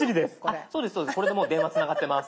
そうですこれでもう電話つながってます。